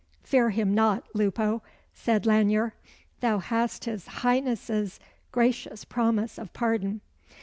"Fear him not, Lupo," said Lanyere. "Thou hast his Highness's gracious promise of pardon."